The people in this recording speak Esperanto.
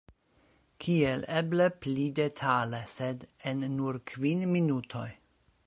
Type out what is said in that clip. Kiel eble pli detale, sed en nur kvin minutoj.